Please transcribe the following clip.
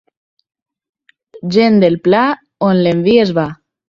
Gent del pla, on l'envies va.